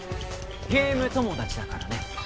ゲーム友達だからね